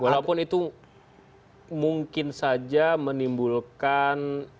walaupun itu mungkin saja menimbulkan